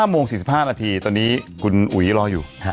โมง๔๕นาทีตอนนี้คุณอุ๋ยรออยู่